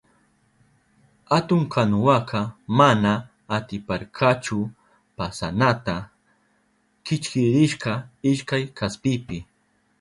Atun kanuwaka mana atiparkachu pasanata, kichkirishka ishkay kaspipi.